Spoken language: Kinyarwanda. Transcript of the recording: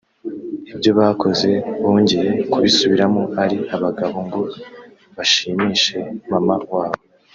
ibyo bakoze bongeye kubisubiramo ari abagabo ngo bashimishe mama wabo